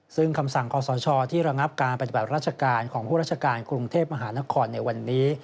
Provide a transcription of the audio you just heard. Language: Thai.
ซึ่งคำสั่งขอสชที่ระงับการปฏิบัติราชการของผู้ราชการกรุงเทพมหานครในวันนี้